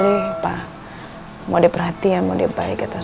apa bayi digaris